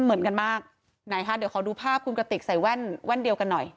เหมือนกันมากไหนคะเดี๋ยวขอดูภาพคุณกระติกใส่แว่นแว่นเดียวกันหน่อย